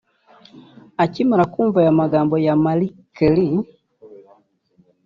Akimara kumva aya magambo ya Mariah Carey